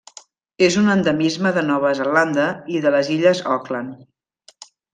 És un endemisme de Nova Zelanda i de les Illes Auckland.